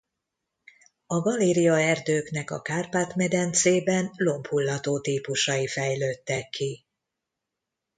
A galériaerdőknek a Kárpát-medencében lombhullató típusai fejlődtek ki.